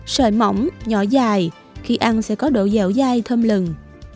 sợi mỏng nhỏ dài khi ăn sẽ có độ dẻo dai thơm lừng